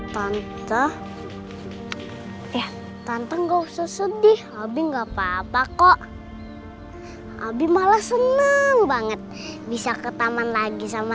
tante ya tante nggak usah sedih habib nggak papa kok abi malah seneng banget bisa ke taman lagi sama